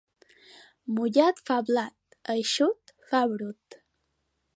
Mullat fa blat, eixut fa brut.